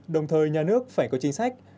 đồng thời nhà nước phải có chính sách